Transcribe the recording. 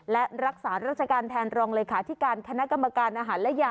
และรักษารักษาการแทนรองเลยค่ะที่การคณะกรรมการอาหารและยา